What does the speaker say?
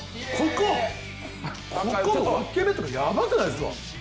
ここの分け目とかやばくないですか？